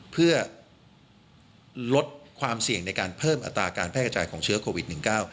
เพื่อลดความเสี่ยงในการเพิ่มอัตราการแพร่กระจายของเชื้อโควิด๑๙